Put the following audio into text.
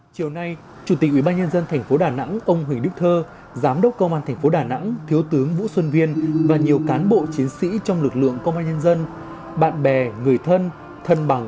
chiều nay chủ tịch ubnd tp đà nẵng ông huỳnh đức thơ giám đốc công an tp đà nẵng thiếu tướng vũ xuân viên và nhiều cán bộ chiến sĩ trong lực lượng công an nhân dân bạn bè người thân thân bà